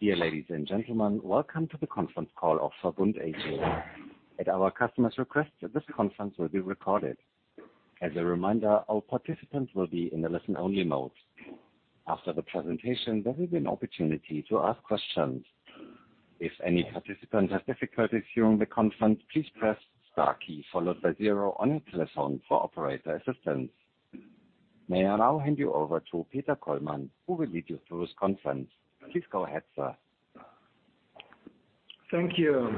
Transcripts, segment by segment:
Dear ladies and gentlemen, welcome to the Conference Call of VERBUND AG. And our customer's request, this conference will be recorded. As a reminder, all participants will be in a listen only mode. After the presentation, there will be an opportunity to ask questions. If any participants has difficulty to resume on the conference, please press star key followed by zero on your telephone to call operator for assistance. May I now hand you over to Peter Kollmann, who will lead you through this conference. Please go ahead, sir. Thank you.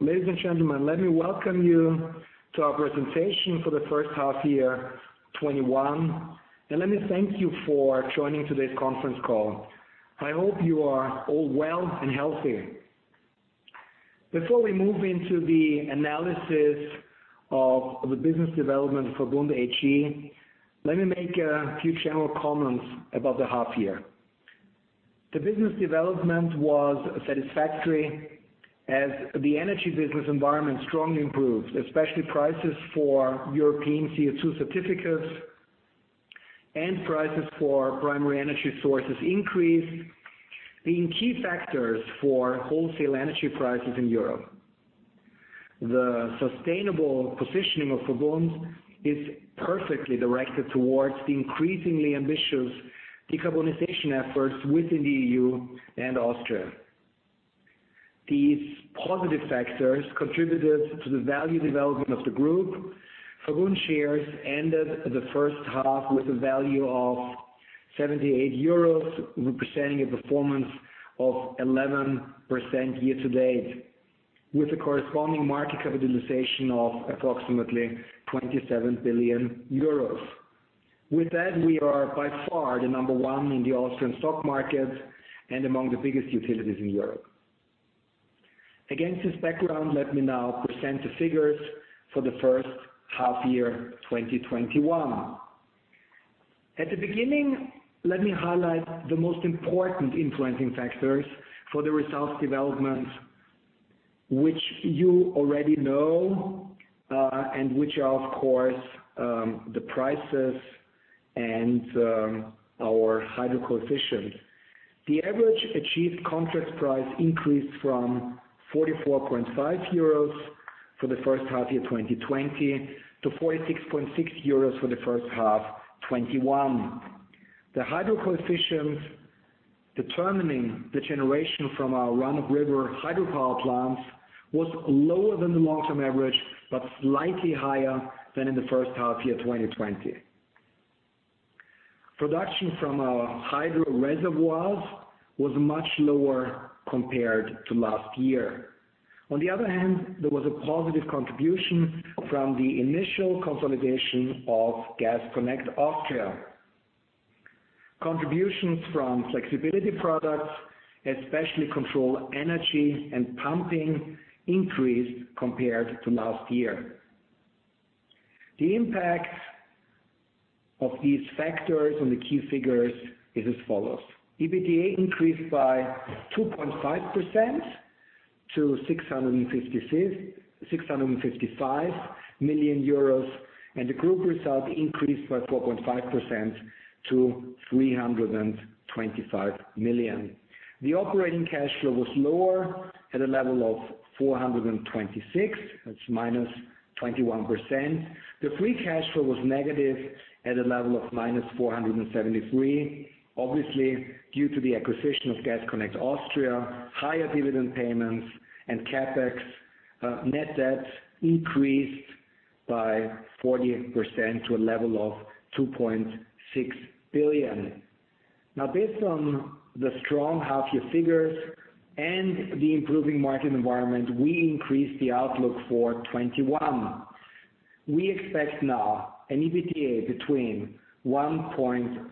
Ladies and gentlemen, let me welcome you to our presentation for the first half year 2021, and let me thank you for joining today's conference call. I hope you are all well and healthy. Before we move into the analysis of the business development for VERBUND AG, let me make a few general comments about the half year. The business development was satisfactory as the energy business environment strongly improved, especially prices for European CO2 certificates and prices for primary energy sources increased, being key factors for wholesale energy prices in Europe. The sustainable positioning of VERBUND is perfectly directed towards the increasingly ambitious decarbonization efforts within the E.U. and Austria. These positive factors contributed to the value development of the group. VERBUND shares ended the first half with a value of 78 euros, representing a performance of 11% year-to-date, with a corresponding market capitalization of approximately 27 billion euros. With that, we are by far the number one in the Austrian stock market and among the biggest utilities in Europe. Against this background, let me now present the figures for the first half year 2021. At the beginning, let me highlight the most important influencing factors for the results development, which you already know, and which are, of course, the prices and our hydro coefficients. The average achieved contract price increased from 44.5 euros for the first half year 2020 to 46.6 euros for the first half 2021. The hydro coefficients determining the generation from our run-of-river hydropower plants was lower than the long-term average, but slightly higher than in the first half year 2020. Production from our hydro reservoirs was much lower compared to last year. There was a positive contribution from the initial consolidation of Gas Connect Austria. Contributions from flexibility products, especially control energy and pumping, increased compared to last year. The impact of these factors on the key figures is as follows. EBITDA increased by 2.5% to 655 million euros, and the group result increased by 4.5% to 325 million. The operating cash flow was lower at a level of 426 million. That's -21%. The free cash flow was negative at a level of -473 million, obviously, due to the acquisition of Gas Connect Austria, higher dividend payments and CapEx. Net debt increased by 48% to a level of 2.6 billion. Based on the strong half year figures and the improving market environment, we increased the outlook for 2021. We expect now an EBITDA between 1.31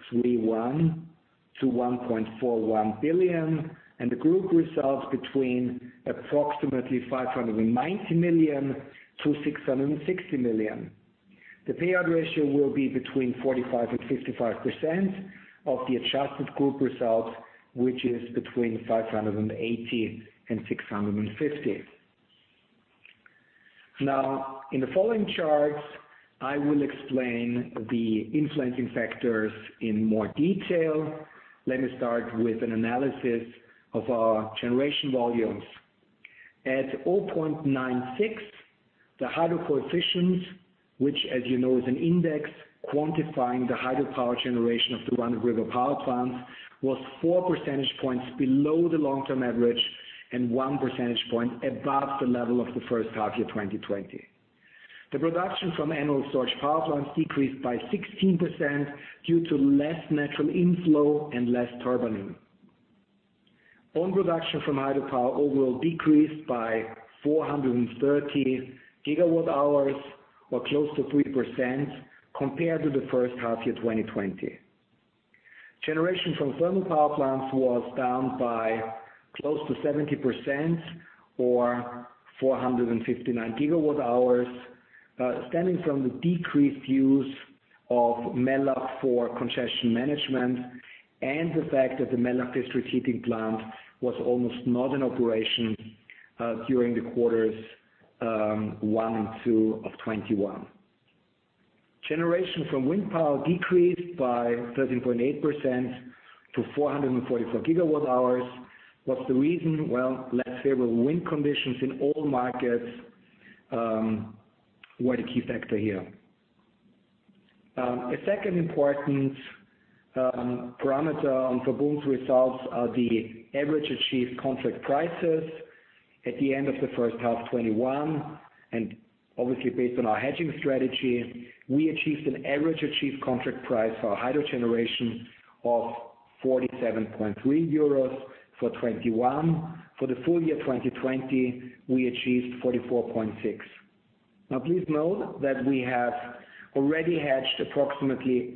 billion-1.41 billion, and the group results between approximately 590 million-660 million. The payout ratio will be between 45%-55% of the adjusted group result, which is between 580 million and 650 million. In the following charts, I will explain the influencing factors in more detail. Let me start with an analysis of our generation volumes. At 0.96, the hydro coefficients, which as you know is an index quantifying the hydropower generation of the run-of-river power plants, was 4 percentage points below the long-term average and 1 percentage point above the level of the first half year 2020. The production from annual storage power plants decreased by 16% due to less natural inflow and less turbining. Own production from hydropower overall decreased by 430 GWh or close to 3% compared to the first half year 2020. Generation from thermal power plants was down by close to 70% or 459 GWh, stemming from the decreased use of Mellach for congestion management and the fact that the Mellach district heating plant was almost not in operation during the quarters one and two of 2021. Generation from wind power decreased by 13.8% to 444 GWh. What's the reason? Well, let's say with wind conditions in all markets, were the key factor here. A second important parameter on VERBUND's results are the average achieved contract prices at the end of the first half 2021, and obviously based on our hedging strategy, we achieved an average achieved contract price for our hydro generation of 47.3 euros for 2021. For the full year 2020, we achieved 44.6. Please note that we have already hedged approximately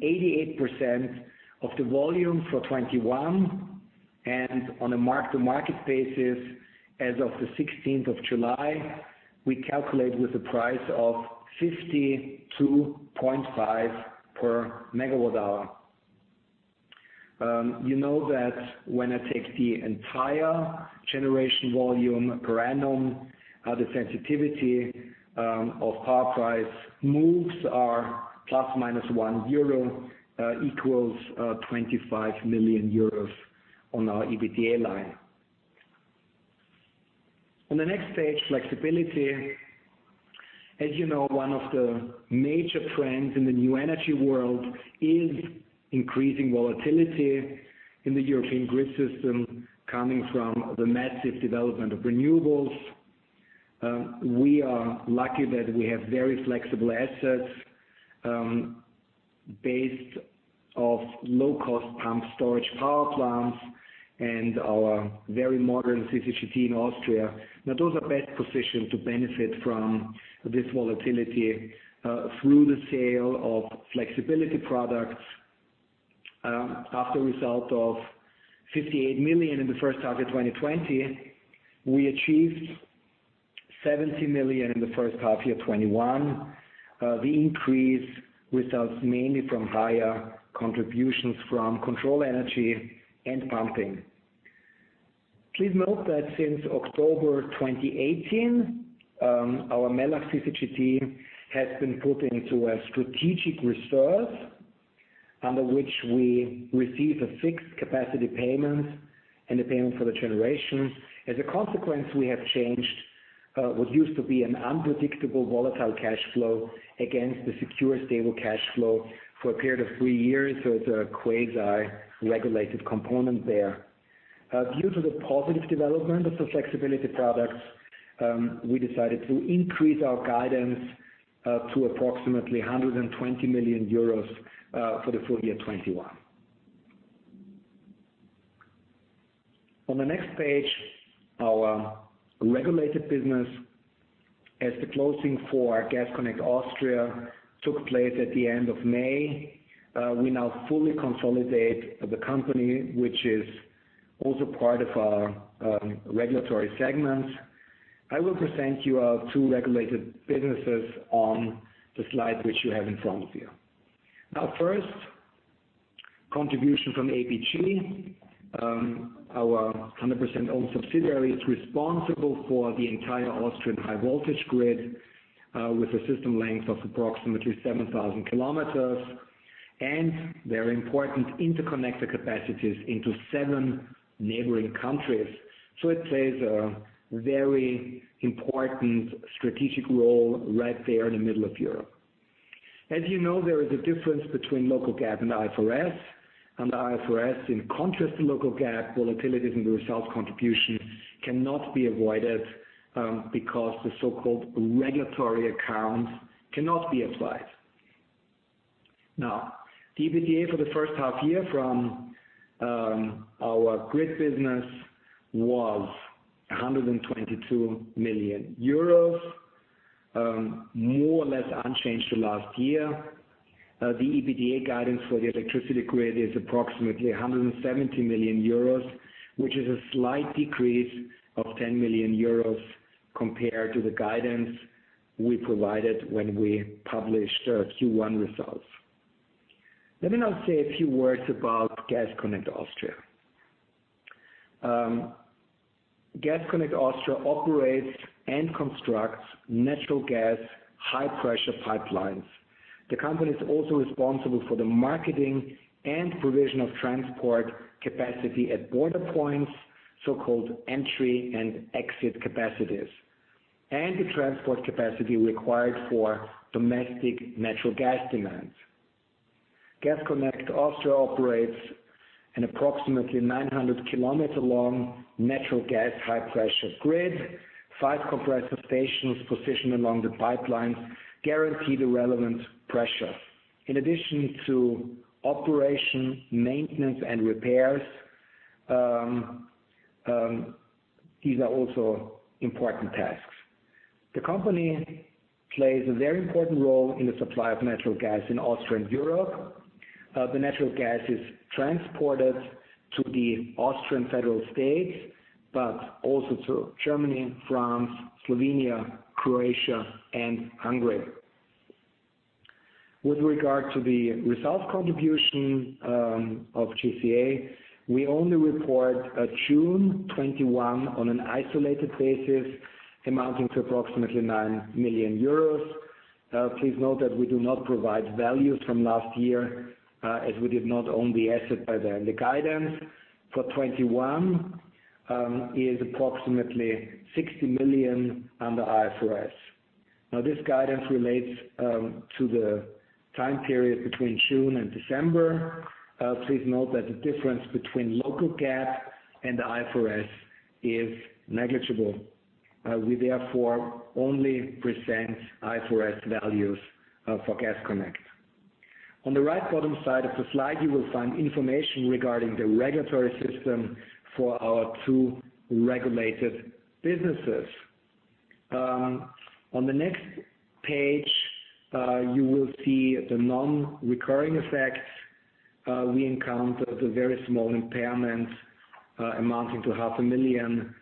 88% of the volume for 2021, and on a mark-to-market basis, as of the 16th of July, we calculate with the price of 52.5/MWh. You know that when I take the entire generation volume per annum, the sensitivity of power price moves are ±1 euro, equals 25 million euros on our EBITDA line. On the next page, flexibility. As you know, one of the major trends in the new energy world is increasing volatility in the European grid system coming from the massive development of renewables. We are lucky that we have very flexible assets based off low-cost pumped-storage power plants, and our very modern CCGT in Austria. Now those are best positioned to benefit from this volatility, through the sale of flexibility products, after result of 58 million in the first half year 2020, we achieved 17 million in the first half year 2021. The increase results mainly from higher contributions from control energy and pumping. Please note that since October 2018, our Mellach CCGT has been put into a strategic reserve under which we receive a fixed capacity payment and a payment for the generation. As a consequence, we have changed, what used to be an unpredictable volatile cash flow against the secure stable cash flow for a period of three years with a quasi-regulated component there. Due to the positive development of the flexibility products, we decided to increase our guidance, to approximately 120 million euros, for the full year 2021. On the next page, our regulated business as the closing for Gas Connect Austria took place at the end of May. We now fully consolidate the company, which is also part of our regulatory segment. I will present you our two regulated businesses on the slide which you have in front of you. First, contribution from APG. Our 100% owned subsidiary is responsible for the entire Austrian high voltage grid, with a system length of approximately 7,000 km and very important interconnector capacities into seven neighboring countries. It plays a very important strategic role right there in the middle of Europe. As you know, there is a difference between local GAAP and IFRS. Under IFRS, in contrast to local GAAP, volatility in the results contribution cannot be avoided, because the so-called regulatory accounts cannot be applied. EBITDA for the first half year from our grid business was 122 million euros, more or less unchanged to last year. The EBITDA guidance for the electricity grid is approximately 170 million euros, which is a slight decrease of 10 million euros compared to the guidance we provided when we published our Q1 results. Let me now say a few words about Gas Connect Austria. Gas Connect Austria operates and constructs natural gas high-pressure pipelines. The company is also responsible for the marketing and provision of transport capacity at border points, so-called entry and exit capacities, and the transport capacity required for domestic natural gas demands. Gas Connect Austria operates an approximately 900 km long natural gas high-pressure grid. Five compressor stations positioned along the pipelines guarantee the relevant pressure. In addition to operation, maintenance, and repairs, these are also important tasks. The company plays a very important role in the supply of natural gas in Austria and Europe. The natural gas is transported to the Austrian federal states, but also to Germany, France, Slovenia, Croatia, and Hungary. With regard to the results contribution of GCA, we only report June 2021 on an isolated basis amounting to approximately 9 million euros. Please note that we do not provide values from last year, as we did not own the asset by then. The guidance for 2021 is approximately 60 million under IFRS. This guidance relates to the time period between June and December. Please note that the difference between local GAAP and IFRS is negligible. We therefore only present IFRS values for Gas Connect. On the right bottom side of the slide, you will find information regarding the regulatory system for our two regulated businesses. On the next page, you will see the non-recurring effects. We encountered a very small impairment amounting to 0.5 million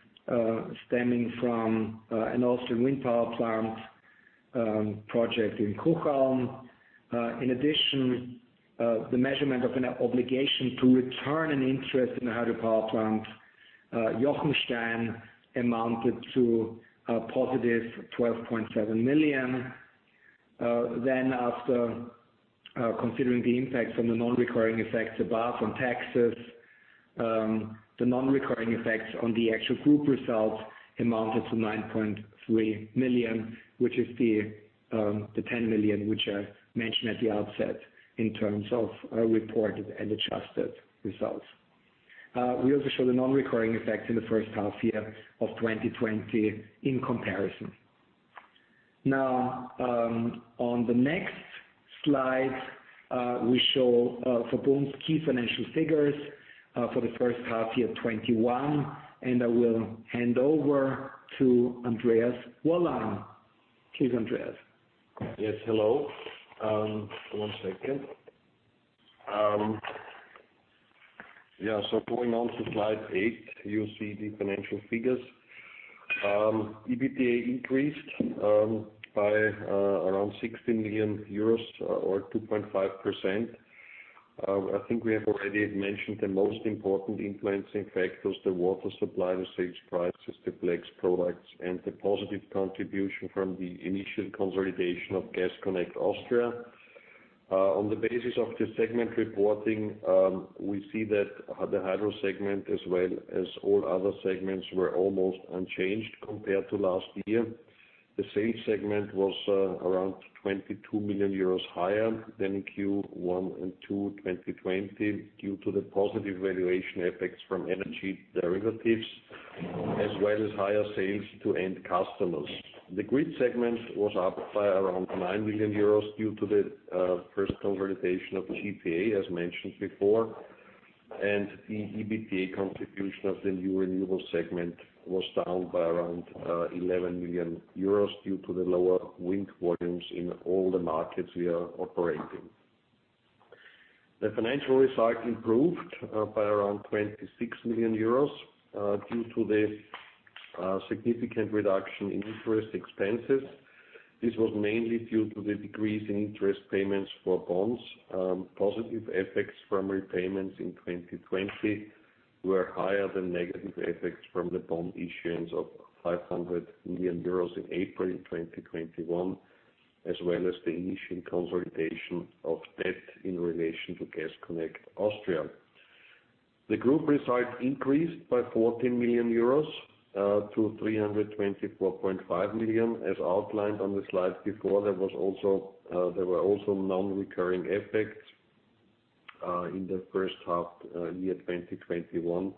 stemming from an Austrian wind power plant project in Kaprun. The measurement of an obligation to return an interest in the hydropower plant Jochenstein amounted to a positive 12.7 million. After considering the impact from the non-recurring effects above on taxes, the non-recurring effects on the actual group results amounted to 9.3 million, which is the 10 million which I mentioned at the outset in terms of reported and adjusted results. We also show the non-recurring effects in the first half year of 2020 in comparison. On the next slide, we show VERBUND's key financial figures for the first half year 2021, and I will hand over to Andreas Wollein. Please, Andreas. Yes. Hello. One second. Going on to slide eight, you see the financial figures. EBITDA increased by around 60 million euros or 2.5%. I think we have already mentioned the most important influencing factors, the water supply, the sales prices, the flex products, and the positive contribution from the initial consolidation of Gas Connect Austria. On the basis of the segment reporting, we see that the hydro segment, as well as all other segments, were almost unchanged compared to last year. The sales segment was around 22 million euros higher than in Q1 and Q2 2020 due to the positive valuation effects from energy derivatives, as well as higher sales to end customers. The grid segment was up by around 9 million euros due to the first consolidation of the GCA, as mentioned before, and the EBITDA contribution of the new renewables segment was down by around 11 million euros due to the lower wind volumes in all the markets we are operating. The financial result improved by around 26 million euros due to the significant reduction in interest expenses. This was mainly due to the decrease in interest payments for bonds. Positive effects from repayments in 2020 were higher than negative effects from the bond issuance of 500 million euros in April 2021, as well as the initial consolidation of debt in relation to Gas Connect Austria. The group result increased by 14 million euros to 324.5 million. As outlined on the slide before, there were also non-recurring effects in the first half year 2021,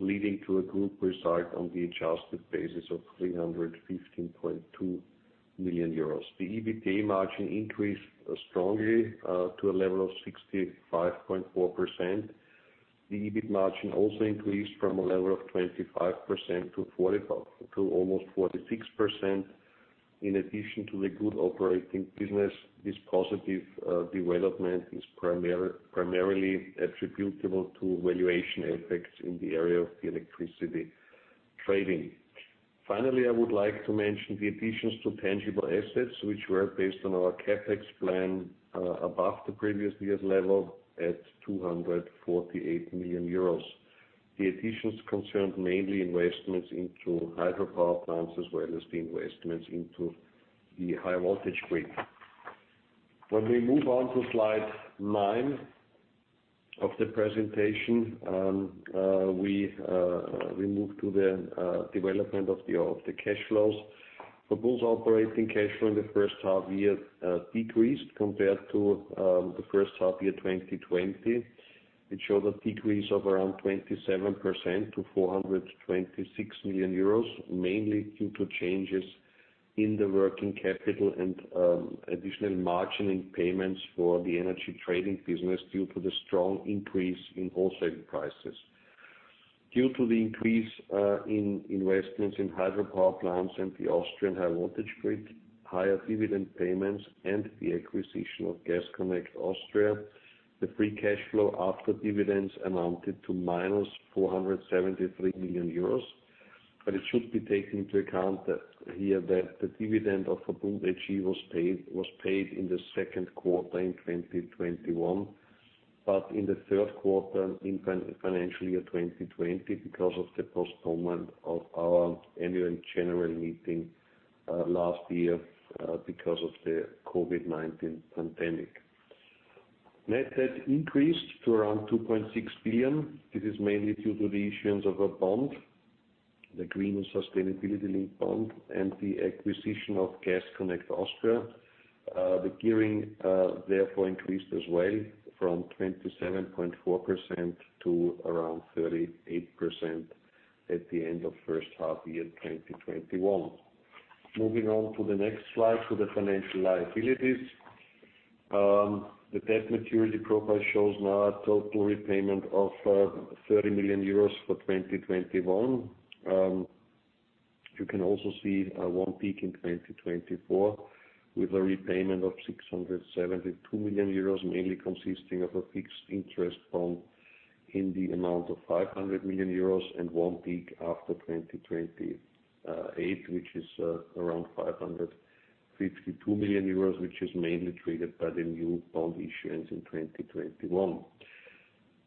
leading to a group result on the adjusted basis of 315.2 million euros. The EBITDA margin increased strongly to a level of 65.4%. The EBIT margin also increased from a level of 25% to almost 46%. In addition to the good operating business, this positive development is primarily attributable to valuation effects in the area of the electricity trading. Finally, I would like to mention the additions to tangible assets, which were based on our CapEx plan above the previous year's level at 248 million euros. The additions concerned mainly investments into hydropower plants, as well as the investments into the high voltage grid. When we move on to slide nine of the presentation, we move to the development of the cash flows. VERBUND's operating cash flow in the first half year decreased compared to the first half year 2020. It showed a decrease of around 27% to 426 million euros, mainly due to changes in the working capital and additional margining payments for the energy trading business, due to the strong increase in wholesale prices. Due to the increase in investments in hydropower plants and the Austrian high voltage grid, higher dividend payments, and the acquisition of Gas Connect Austria, the free cash flow after dividends amounted to -473 million euros. It should be taken into account here that the dividend of VERBUND AG was paid in the second quarter in 2021. In the third quarter in financial year 2020, because of the postponement of our Annual General Meeting last year because of the COVID-19 pandemic. Net debt increased to around 2.6 billion. This is mainly due to the issuance of a bond, the Green & Sustainability-linked Bond, and the acquisition of Gas Connect Austria. The gearing therefore increased as well from 27.4% to around 38% at the end of first half year 2021. Moving on to the next slide, to the financial liabilities. The debt maturity profile shows now a total repayment of 30 million euros for 2021. You can also see one peak in 2024 with a repayment of 672 million euros, mainly consisting of a fixed interest bond in the amount of 500 million euros and one peak after 2028, which is around 552 million euros, which is mainly triggered by the new bond issuance in 2021.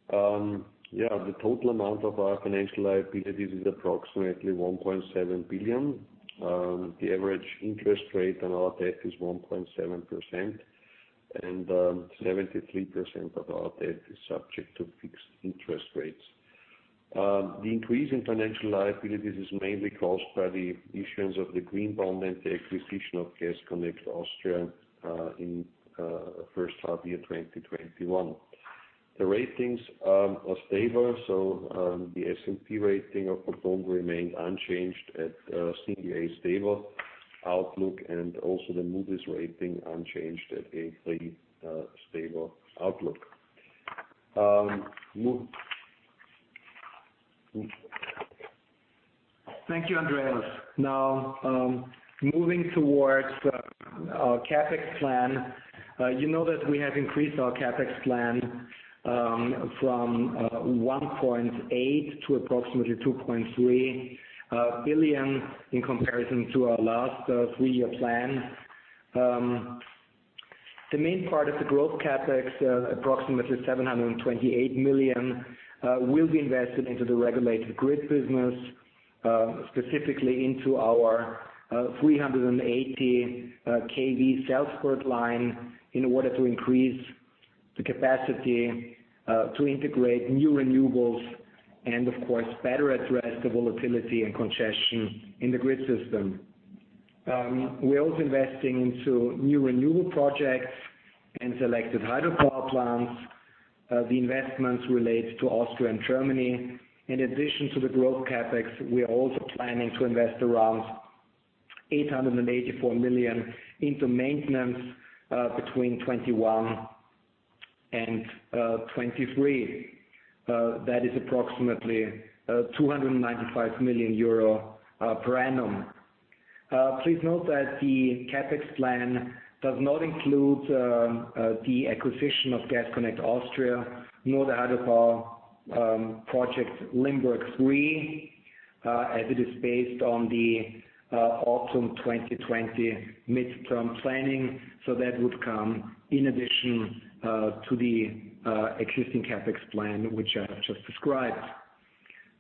The total amount of our financial liabilities is approximately 1.7 billion. The average interest rate on our debt is 1.7%, and 73% of our debt is subject to fixed interest rates. The increase in financial liabilities is mainly caused by the issuance of the green bond and the acquisition of Gas Connect Austria in first half year 2021. The ratings are stable, the S&P rating of the bond remained unchanged at A stable outlook, and also the Moody's rating unchanged at A3 stable outlook. Thank you, Andreas. Moving towards our CapEx plan. You know that we have increased our CapEx plan from 1.8 billion to approximately 2.3 billion in comparison to our last three-year plan. The main part of the growth CapEx, approximately 728 million, will be invested into the regulated grid business, specifically into our 380-kV Salzburg line in order to increase the capacity to integrate new renewables and of course better address the volatility and congestion in the grid system. We are also investing into new renewable projects and selected hydropower plants. The investments relate to Austria and Germany. In addition to the growth CapEx, we are also planning to invest around 884 million into maintenance between 2021 and 2023. That is approximately 295 million euro per annum. Please note that the CapEx plan does not include the acquisition of Gas Connect Austria, nor the hydropower project Limberg III, as it is based on the autumn 2020 midterm planning, so that would come in addition to the existing CapEx plan which I just described.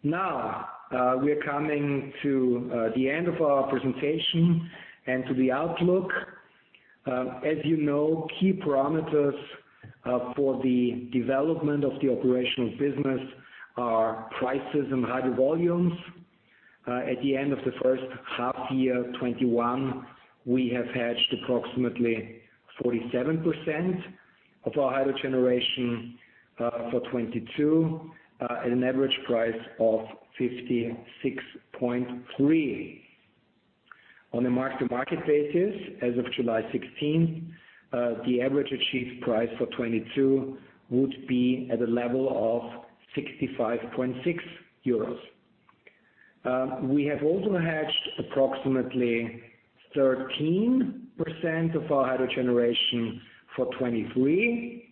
We are coming to the end of our presentation and to the outlook. As you know, key parameters for the development of the operational business are prices and hydro volumes. At the end of the first half year 2021, we have hedged approximately 47% of our hydro generation for 2022 at an average price of 56.3. On a mark-to-market basis as of July 16, the average achieved price for 2022 would be at a level of 65.6 euros. We have also hedged approximately 13% of our hydro generation for 2023.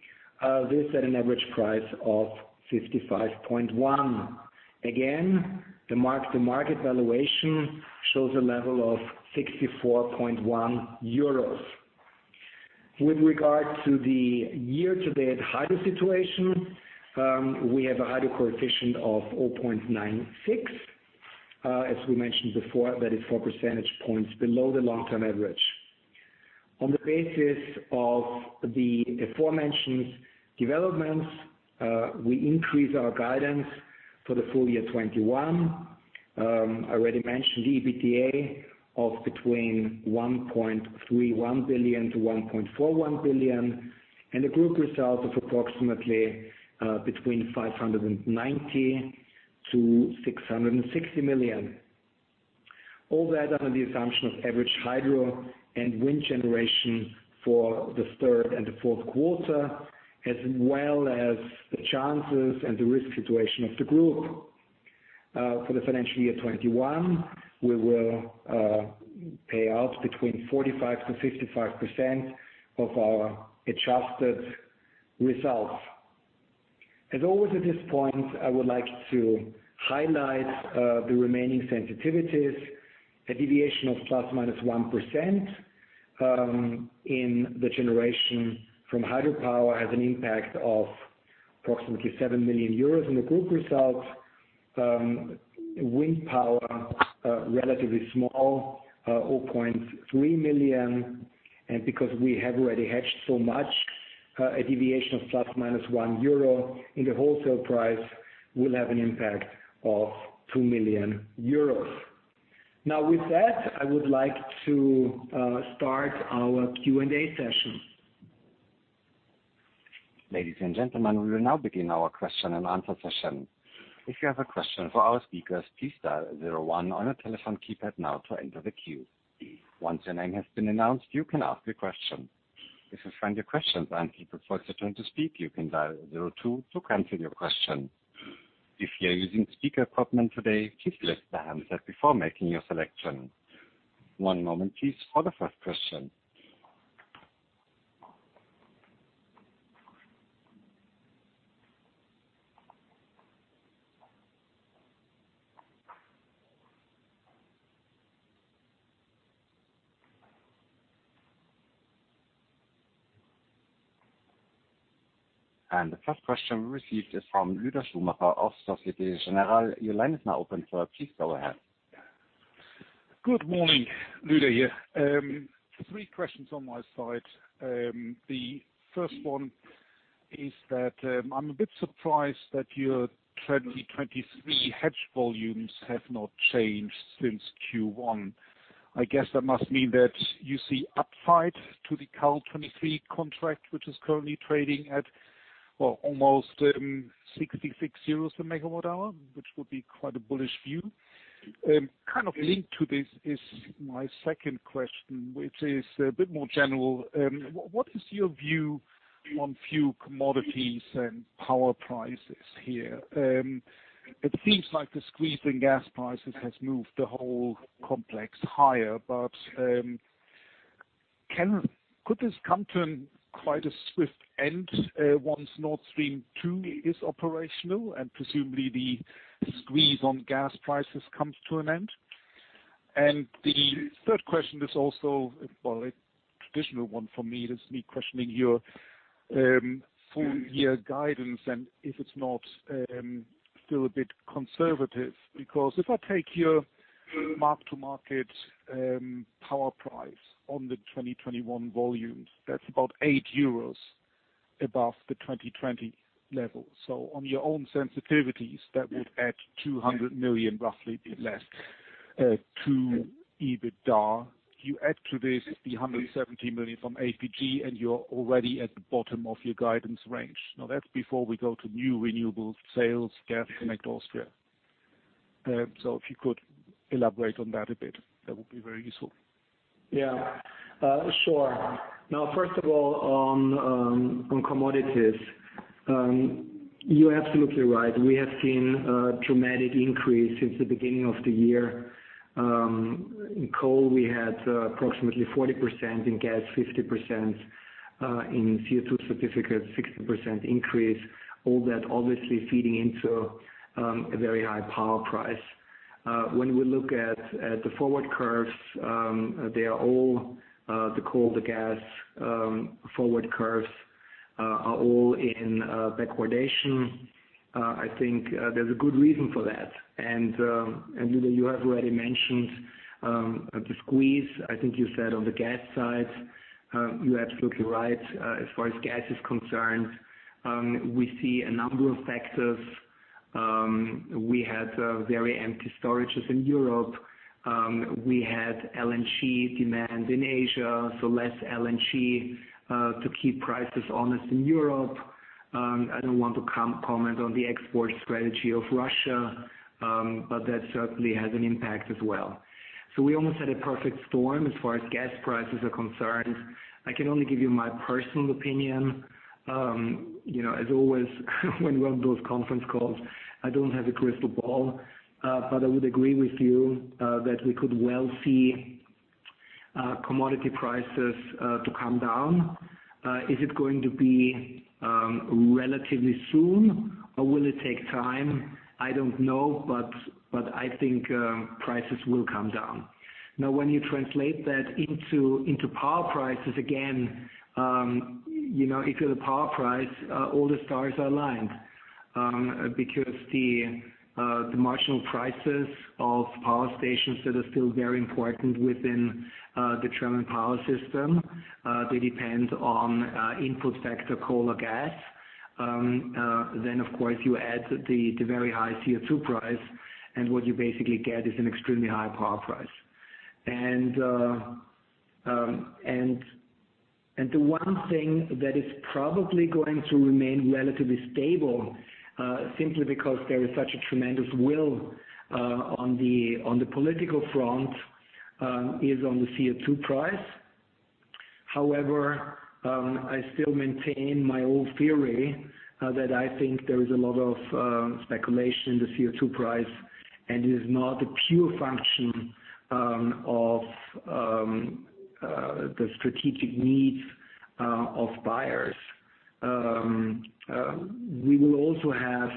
This at an average price of 55.1. Again, the mark-to-market valuation shows a level of 64.1 euros. With regard to the year-to-date hydro situation, we have a hydro coefficient of 0.96. As we mentioned before, that is 4 percentage points below the long-term average. On the basis of the aforementioned developments, we increase our guidance for the full year 2021. I already mentioned the EBITDA of between 1.31 billion and 1.41 billion and a group result of approximately between 590 million and 660 million. All that under the assumption of average hydro and wind generation for the third and the fourth quarter, as well as the chances and the risk situation of the group. For the financial year 2021, we will pay out between 45%-55% of our adjusted results. As always at this point, I would like to highlight the remaining sensitivities. A deviation of ±1% in the generation from hydropower has an impact of approximately 7 million euros in the group results. Wind power, relatively small, 0.3 million. Because we have already hedged so much, a deviation of ±1 euro in the wholesale price will have an impact of 2 million euros. With that, I would like to start our Q&A session. Ladies and gentleman, we will now begin our question and answer session. If you have a question for our speakers, please dial zero one on the telephone keypad now to enter the queue. Once the name has been announced, you can ask a question. If you find a question then you propose that you can't speak, you can dial zero two to cancel your question. If your using speakerphone today, please understand that before making a selection. One moment please for the first question. The first question received is from Lueder Schumacher of Société Générale. Your line is now open, sir. Please go ahead. Good morning. Lueder here. Three questions on my side. The first one is that I'm a bit surprised that your 2023 hedge volumes have not changed since Q1. I guess that must mean that you see upside to the Cal 2023 contract, which is currently trading at almost 66 euros/MWh, which would be quite a bullish view. Kind of linked to this is my second question, which is a bit more general. What is your view on fuel commodities and power prices here? It seems like the squeeze in gas prices has moved the whole complex higher, but could this come to quite a swift end once Nord Stream 2 is operational and presumably the squeeze on gas prices comes to an end? The third question is also, well, a traditional one from me. That's me questioning your full-year guidance and if it's not still a bit conservative. If I take your mark-to-market power price on the 2021 volumes, that's about 8 euros above the 2020 level. On your own sensitivities, that would add 200 million, roughly, give or less, to EBITDA. You add to this the 170 million from APG, and you're already at the bottom of your guidance range. Now, that's before we go to new renewable sales, Gas Connect Austria. If you could elaborate on that a bit, that would be very useful. Yeah. Sure. First of all, on commodities, you're absolutely right. We have seen a dramatic increase since the beginning of the year. In coal, we had approximately 40%, in gas, 50%, in CO2 certificates, 16% increase, all that obviously feeding into a very high power price. When we look at the forward curves, the coal, the gas forward curves are all in backwardation. I think there's a good reason for that. Lueder, you have already mentioned the squeeze, I think you said, on the gas side. You're absolutely right as far as gas is concerned. We see a number of factors. We had very empty storages in Europe. We had LNG demand in Asia, so less LNG to keep prices honest in Europe. I don't want to comment on the export strategy of Russia, but that certainly has an impact as well. We almost had a perfect storm as far as gas prices are concerned. I can only give you my personal opinion. As always, when we have those conference calls, I don't have a crystal ball. I would agree with you that we could well see commodity prices to come down. Is it going to be relatively soon or will it take time? I don't know, but I think prices will come down. When you translate that into power prices, again, into the power price, all the stars are aligned. The marginal prices of power stations that are still very important within the German power system, they depend on input factor coal or gas. Of course, you add the very high CO2 price, and what you basically get is an extremely high power price. The one thing that is probably going to remain relatively stable, simply because there is such a tremendous will on the political front, is on the CO2 price. However, I still maintain my old theory that I think there is a lot of speculation in the CO2 price and it is not a pure function of the strategic needs of buyers. We will also have.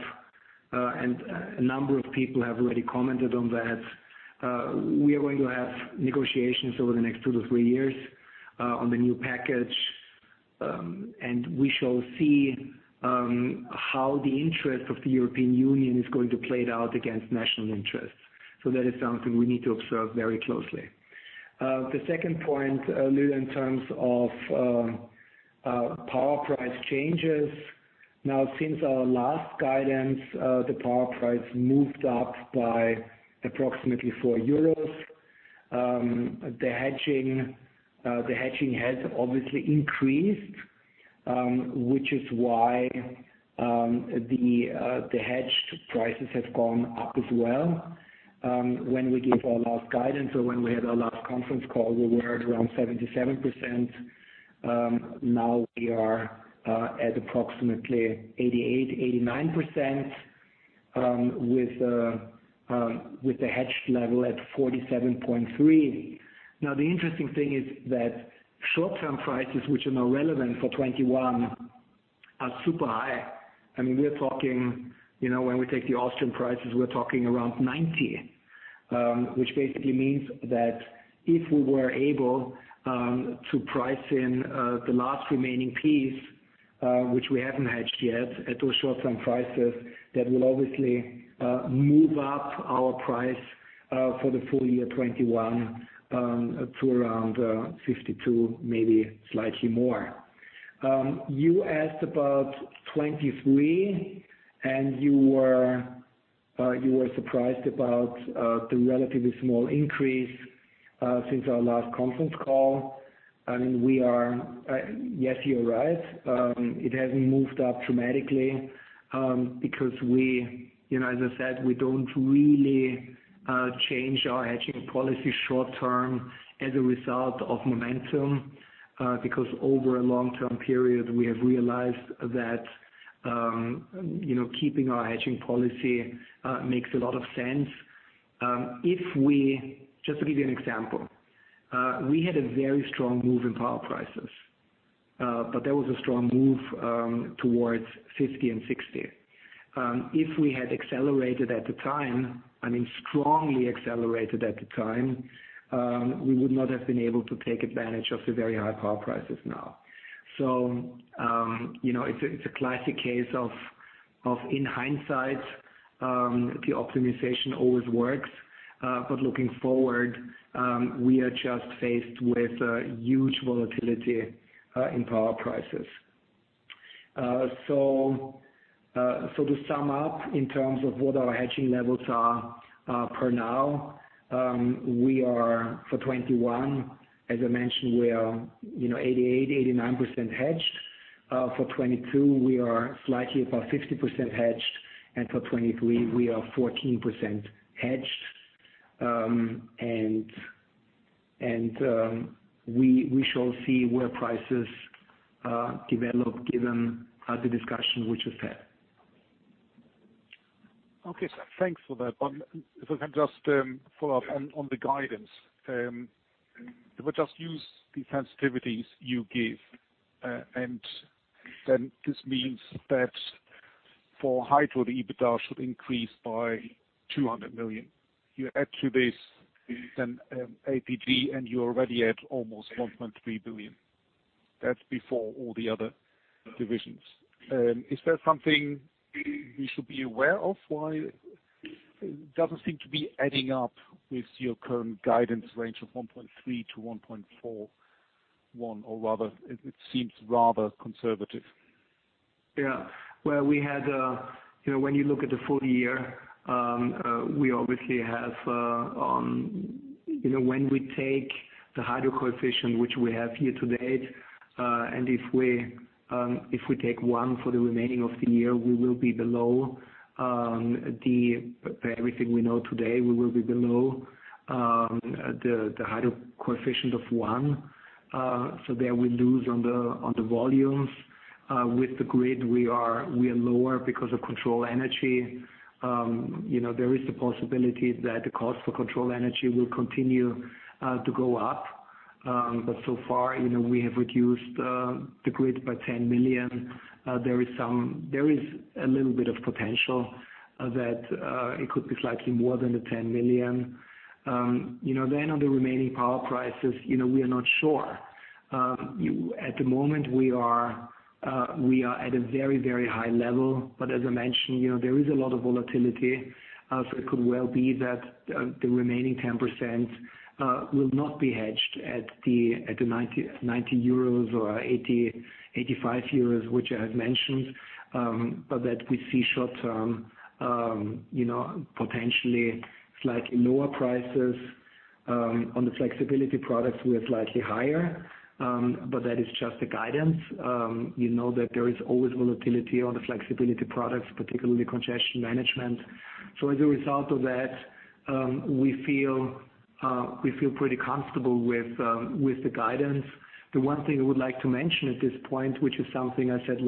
A number of people have already commented on that. We are going to have negotiations over the next two-three years on the new package, and we shall see how the interest of the European Union is going to play out against national interests. That is something we need to observe very closely. The second point, in terms of power price changes. Now, since our last guidance, the power price moved up by approximately 4 euros. The hedging has obviously increased, which is why the hedged prices have gone up as well. When we gave our last guidance or when we had our last conference call, we were at around 77%. We are at approximately 88%, 89% with the hedged level at 47.3. The interesting thing is that short-term prices, which are now relevant for 2021, are super high. When we take the Austrian prices, we're talking around 90, which basically means that if we were able to price in the last remaining piece, which we haven't hedged yet, at those short-term prices, that will obviously move up our price for the full year 2021 to around 52, maybe slightly more. You asked about 2023, you were surprised about the relatively small increase since our last conference call. Yes, you're right. It hasn't moved up dramatically because as I said, we don't really change our hedging policy short term as a result of momentum. Over a long-term period, we have realized that keeping our hedging policy makes a lot of sense. Just to give you an example, we had a very strong move in power prices, but there was a strong move towards 50 and 60. If we had accelerated at the time, I mean, strongly accelerated at the time, we would not have been able to take advantage of the very high power prices now. It's a classic case of, in hindsight, the optimization always works. Looking forward, we are just faced with huge volatility in power prices. To sum up, in terms of what our hedging levels are per now, for 2021, as I mentioned, we are 88%, 89% hedged. For 2022, we are slightly above 50% hedged. For 2023, we are 14% hedged. We shall see where prices develop given the discussion which was had. Okay, sir. Thanks for that. If I can just follow up on the guidance. If I just use the sensitivities you give, and then this means that for hydro, the EBITDA should increase by 200 million. You add to this then APG, and you're already at almost 1.3 billion. That's before all the other divisions. Is that something we should be aware of? Why it doesn't seem to be adding up with your current guidance range of 1.3 billion-1.41 billion? Rather, it seems rather conservative. Yeah. When you look at the full year, when we take the hydro coefficient, which we have year to date, if we take one for the remaining of the year, we will be below everything we know today. We will be below the hydro coefficient of one, so there we lose on the volumes. With the grid, we are lower because of control energy. There is the possibility that the cost for control energy will continue to go up. So far, we have reduced the grid by 10 million. There is a little bit of potential that it could be slightly more than the 10 million. On the remaining power prices, we are not sure. At the moment, we are at a very, very high level. As I mentioned, there is a lot of volatility. It could well be that the remaining 10% will not be hedged at the 90 euros or 85 euros, which I have mentioned, but that we see short-term, potentially slightly lower prices. On the flexibility products, we are slightly higher. That is just the guidance. You know that there is always volatility on the flexibility products, particularly congestion management. As a result of that, we feel pretty comfortable with the guidance. The one thing I would like to mention at this point, which is something I said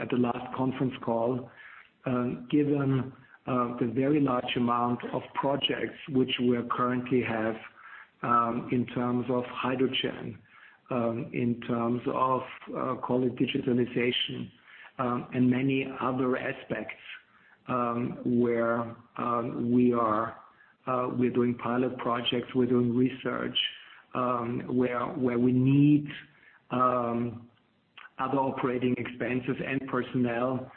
at the last conference call, given the very large amount of projects which we currently have in terms of hydrogen, in terms of call it digitalization and many other aspects where we're doing pilot projects, we're doing research where we need other operating expenses and personnel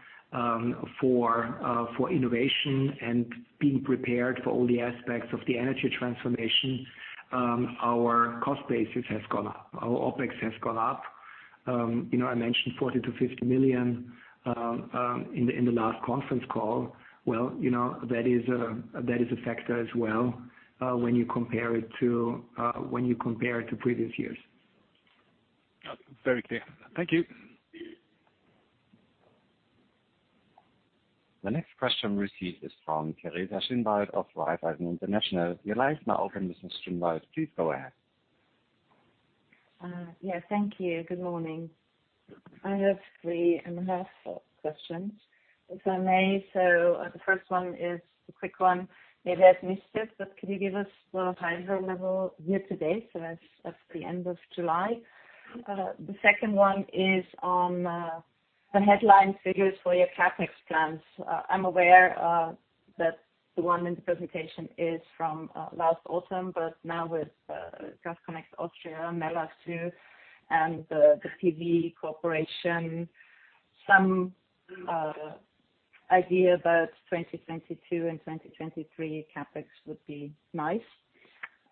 for innovation and being prepared for all the aspects of the energy transformation. Our cost basis has gone up. Our OpEx has gone up. I mentioned 40 million-50 million in the last conference call. Well, that is a factor as well, when you compare it to previous years. Very clear. Thank you. The next question received is from Teresa Schinwald of Raiffeisen International. Your line is now open, Mrs. Schinwald. Please go ahead. Yeah. Thank you. Good morning. I have three and have a follow-up questions, if I may. The first one is a quick one. Maybe I missed it, but could you give us the hydro level year to date, so as of the end of July? The second one is on the headline figures for your CapEx plans. I'm aware that the one in the presentation is from last autumn, but now with Gas Connect Austria, Mellach, and the PV cooperation, some idea about 2022 and 2023 CapEx would be nice.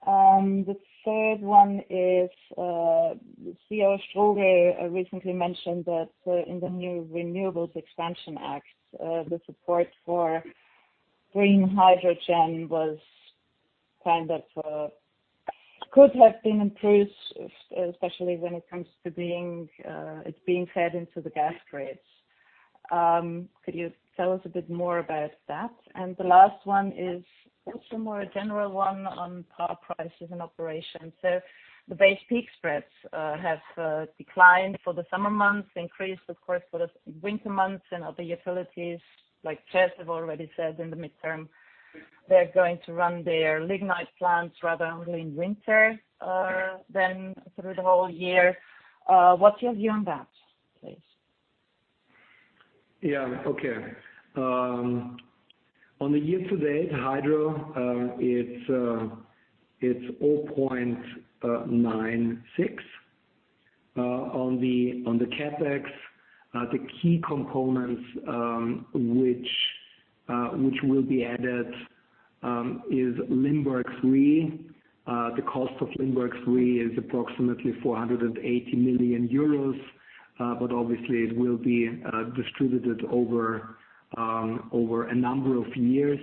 The third one is, CEO Strugl recently mentioned that in the new Renewables Expansion Act, the support for green hydrogen could have been improved, especially when it comes to being fed into the gas grids. Could you tell us a bit more about that? The last one is also a more general one on power prices and operations. The base peak spreads have declined for the summer months, increased, of course, for the winter months, and other utilities like CEZ have already said in the midterm, they're going to run their lignite plants rather only in winter than through the whole year. What's your view on that, please? Yeah. Okay. On the year to date, hydro, it's 0.96. On the CapEx, the key components which will be added is Limberg III. The cost of Limberg III is approximately 480 million euros. Obviously, it will be distributed over a number of years.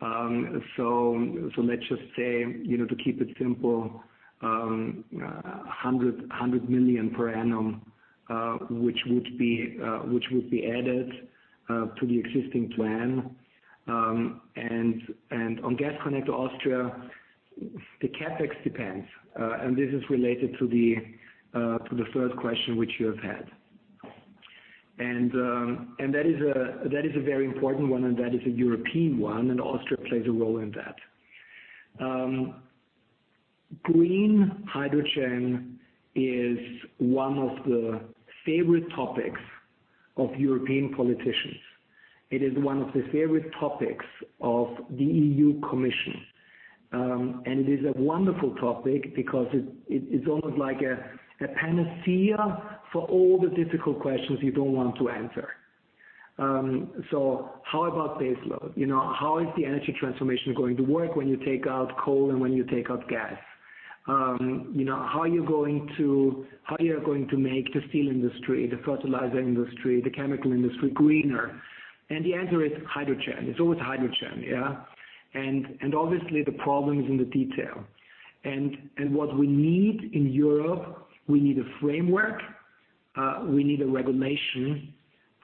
Let's just say, to keep it simple, 100 million per annum which would be added to the existing plan. On Gas Connect Austria, the CapEx depends. This is related to the first question which you have had. That is a very important one, that is a European one, and Austria plays a role in that. Green hydrogen is one of the favorite topics of European politicians. It is one of the favorite topics of the EU Commission. It is a wonderful topic because it's almost like a panacea for all the difficult questions you don't want to answer. How about base load? How is the energy transformation going to work when you take out coal and when you take out gas? How are you going to make the steel industry, the fertilizer industry, the chemical industry greener? The answer is hydrogen. It's always hydrogen, yeah. Obviously, the problem is in the detail. What we need in Europe, we need a framework, we need a regulation,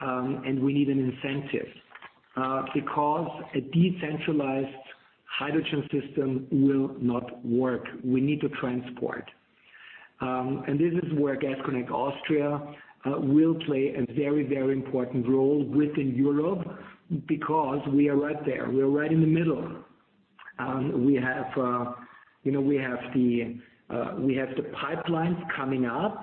and we need an incentive. A decentralized hydrogen system will not work. We need to transport. This is where Gas Connect Austria will play a very, very important role within Europe, because we are right there. We are right in the middle. We have the pipelines coming up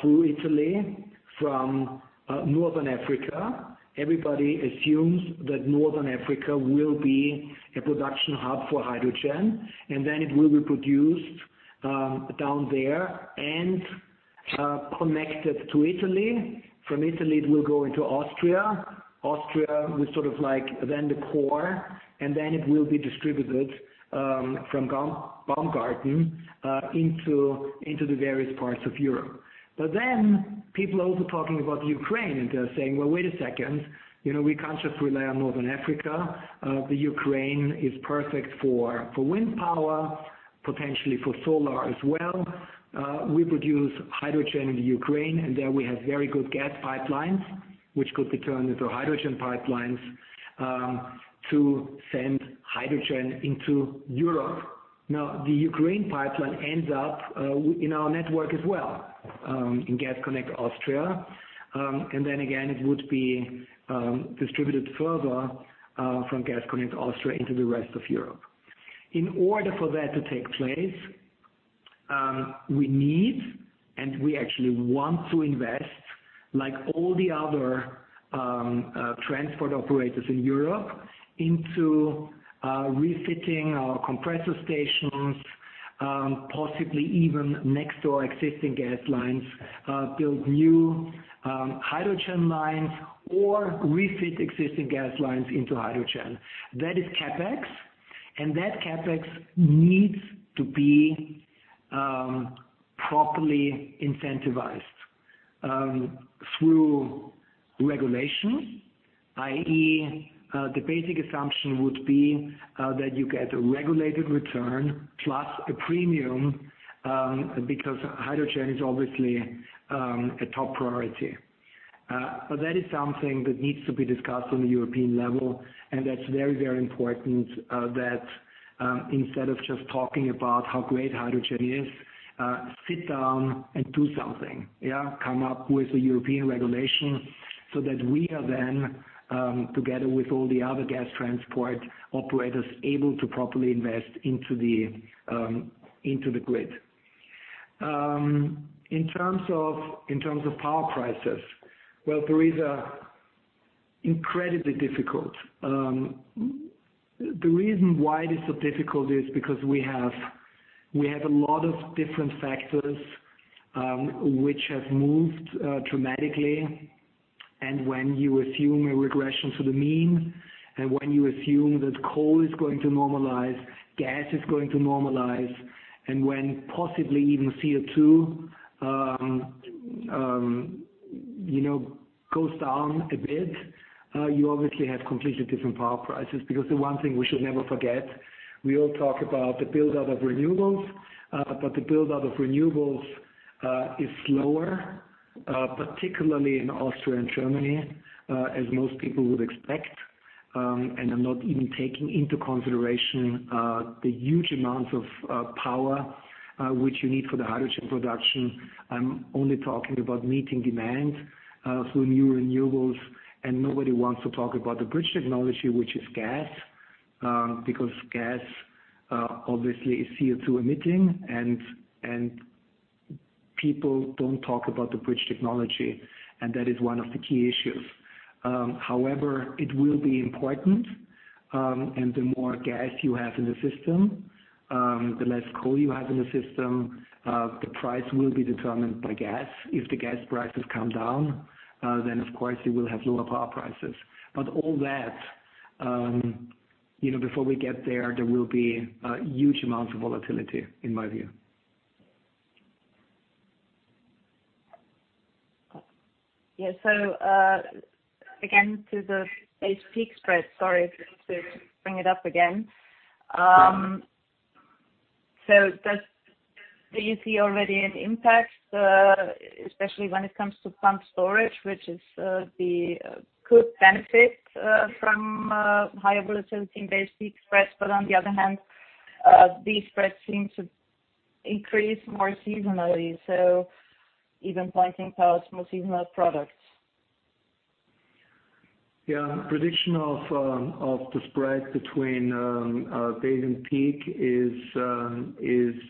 through Italy from Northern Africa. Everybody assumes that Northern Africa will be a production hub for hydrogen, and then it will be produced down there and connected to Italy. From Italy, it will go into Austria. Austria is sort of like then the core, and then it will be distributed from Baumgarten into the various parts of Europe. People are also talking about Ukraine, and they're saying, "Well, wait a second. We can't just rely on Northern Africa. Ukraine is perfect for wind power, potentially for solar as well. We produce hydrogen in Ukraine, and there we have very good gas pipelines, which could be turned into hydrogen pipelines to send hydrogen into Europe." The Ukraine pipeline ends up in our network as well, in Gas Connect Austria. Again, it would be distributed further from Gas Connect Austria into the rest of Europe. In order for that to take place, we need, and we actually want to invest, like all the other transport operators in Europe, into refitting our compressor stations, possibly even next to our existing gas lines, build new hydrogen lines or refit existing gas lines into hydrogen. That is CapEx, and that CapEx needs to be properly incentivized through regulation. i.e., the basic assumption would be that you get a regulated return plus a premium, because hydrogen is obviously a top priority. That is something that needs to be discussed on the European level, and that's very important that instead of just talking about how great hydrogen is, sit down and do something. Come up with a European regulation so that we are then, together with all the other gas transport operators, able to properly invest into the grid. In terms of power prices, well, Teresa, incredibly difficult. The reason why it is so difficult is because we have a lot of different factors which have moved dramatically. When you assume a regression to the mean, and when you assume that coal is going to normalize, gas is going to normalize, and when possibly even CO2 goes down a bit, you obviously have completely different power prices. The one thing we should never forget, we all talk about the build-out of renewables. The build-out of renewables is slower, particularly in Austria and Germany, as most people would expect. I'm not even taking into consideration the huge amounts of power which you need for the hydrogen production. I'm only talking about meeting demand through new renewables, and nobody wants to talk about the bridge technology, which is gas. Because gas obviously is CO2 emitting, and people don't talk about the bridge technology, and that is one of the key issues. It will be important, and the more gas you have in the system, the less coal you have in the system, the price will be determined by gas. If the gas prices come down, then of course you will have lower power prices. All that, before we get there will be huge amounts of volatility in my view. Again, to the base peak spread, sorry to bring it up again. Do you see already an impact, especially when it comes to pumped-storage, which could benefit from higher volatility in base peak spreads, but on the other hand, these spreads seem to increase more seasonally, even pointing towards more seasonal products. Prediction of the spread between base and peak is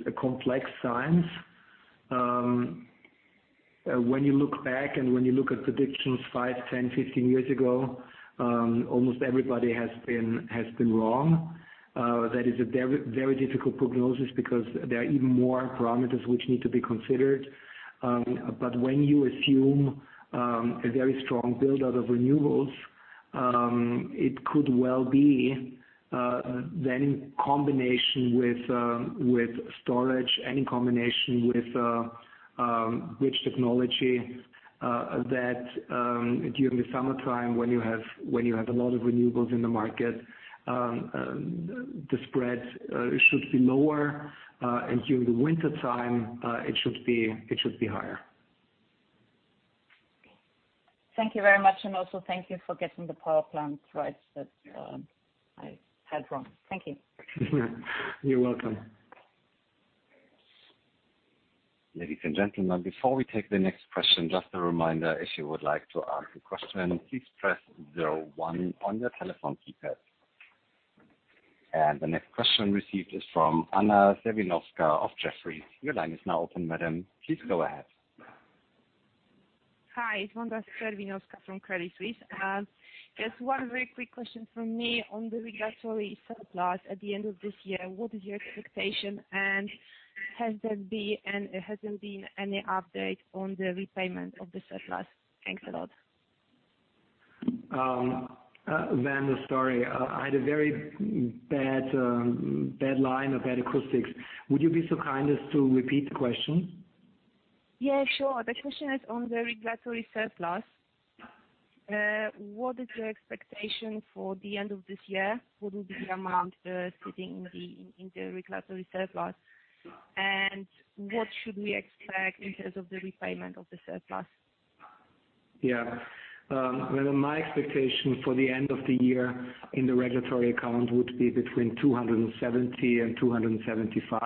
a complex science. When you look back and when you look at predictions 5, 10, 15 years ago, almost everybody has been wrong. That is a very difficult prognosis because there are even more parameters which need to be considered. When you assume a very strong build-out of renewables, it could well be, then in combination with storage and in combination with bridge technology, that during the summertime, when you have a lot of renewables in the market, the spread should be lower, and during the wintertime, it should be higher. Thank you very much, and also thank you for getting the power plant right, that I had wrong. Thank you. You're welcome. Ladies and gentlemen, before we take the next question, just a reminder, if you would like to ask a question, please press zero one on your telephone keypad. The next question received is from Wanda Serwinowska of Jefferies. Your line is now open, madam. Please go ahead. Hi, it's Wanda Serwinowska from Credit Suisse. Just one very quick question from me on the regulatory surplus at the end of this year. What is your expectation, and has there been any update on the repayment of the surplus? Thanks a lot. Wanda, sorry. I had a very bad line or bad acoustics. Would you be so kind as to repeat the question? Yeah, sure. The question is on the regulatory surplus. What is your expectation for the end of this year? What will be the amount sitting in the regulatory surplus, and what should we expect in terms of the repayment of the surplus? Yeah. Well, my expectation for the end of the year in the regulatory account would be between 270 million and 275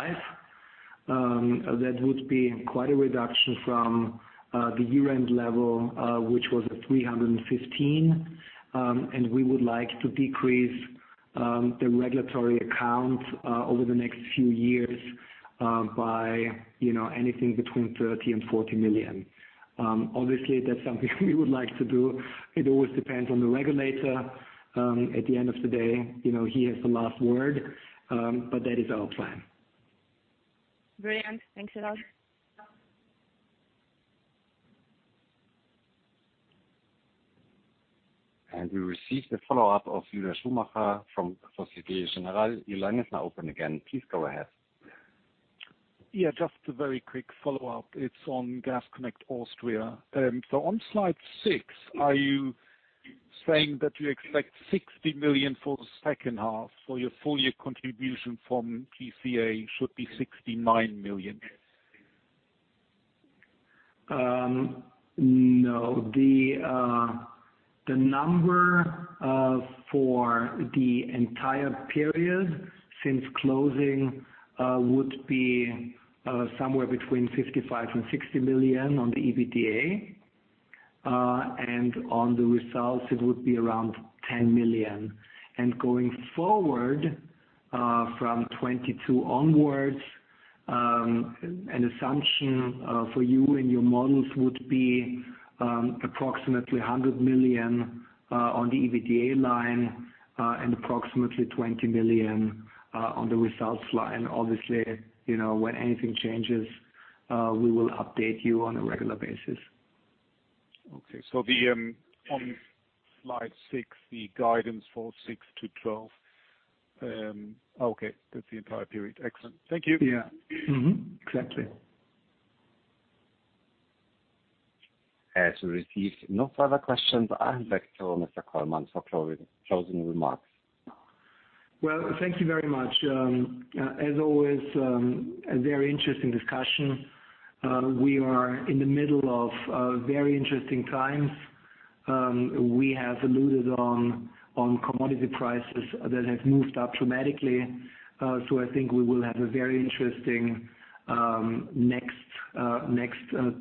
million. That would be quite a reduction from the year-end level, which was at 315 million. We would like to decrease the regulatory account over the next few years by anything between 30 million and 40 million. Obviously, that's something we would like to do. It always depends on the regulator. At the end of the day, he has the last word, but that is our plan. Brilliant. Thanks a lot. We receive the follow-up of Lueder Schumacher from Société Générale. Your line is now open again. Please go ahead. Yeah, just a very quick follow-up. It is on Gas Connect Austria. On slide six, are you saying that you expect 60 million for the second half, so your full year contribution from GCA should be 69 million? No. The number for the entire period since closing would be somewhere between 55 million-60 million on the EBITDA. On the results, it would be around 10 million. Going forward, from 2022 onwards, an assumption for you and your models would be approximately 100 million on the EBITDA line and approximately 20 million on the results line. Obviously, when anything changes, we will update you on a regular basis. Okay. On slide six, the guidance for 6-12. Okay. That's the entire period. Excellent. Thank you. Yeah. Exactly. As we receive no further questions, I'll hand back to Mr. Kollmann for closing remarks. Well, thank you very much. As always, a very interesting discussion. We are in the middle of very interesting times. We have alluded on commodity prices that have moved up dramatically. I think we will have a very interesting next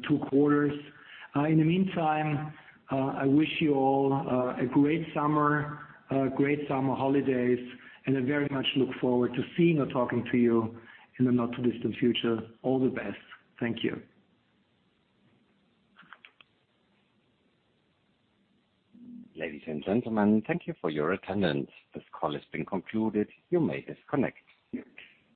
two quarters. In the meantime, I wish you all a great summer, great summer holidays, and I very much look forward to seeing or talking to you in the not-too-distant future. All the best. Thank you. Ladies and gentlemen, thank you for your attendance. This call has been concluded. You may disconnect.